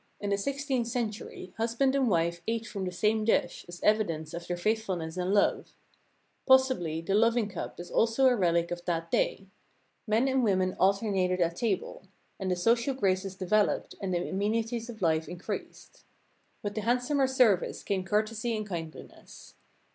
In the sixteenth century, husband and wife ate from the same dish, as evi dence of their faithfulness and love. Possibly the loving cup is also a relic of that day. Men and women alternated at table, and the social graces developed and the amenities of life increased. With the handsomer service came courtesy and kindliness.